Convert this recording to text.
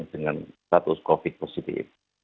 dengan status covid positif